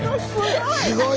すごい！